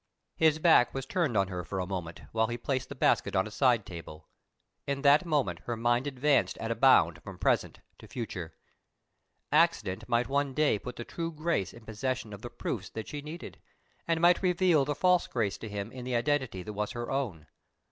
His back was turned on her for a moment, while he placed the basket on a side table. In that moment her mind advanced at a bound from present to future. Accident might one day put the true Grace in possession of the proofs that she needed, and might reveal the false Grace to him in the identity that was her own.